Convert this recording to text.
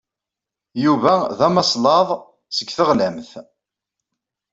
Yuba d amaslaḍ seg teɣlamt.